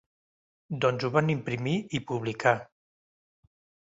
Doncs ho van imprimir i publicar.